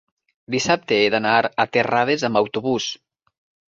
dissabte he d'anar a Terrades amb autobús.